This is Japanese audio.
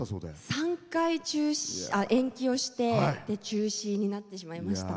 ３回、延期をして中止になってしまいました。